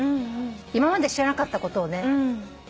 今まで知らなかったことをね。